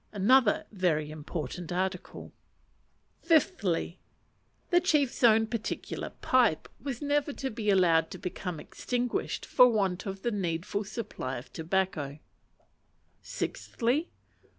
(Another very important article.) Fifthly. The chief's own particular pipe was never to be allowed to become extinguished for want of the needful supply of tobacco. Sixthly.